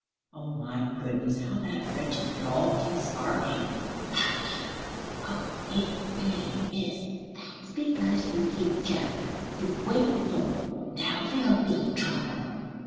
"Oh, my goodness, how that wretched dog keeps barking!" "Hush! Oh, it really is.... That's because you keep jabbering. You've waked the dog, now there will be trouble."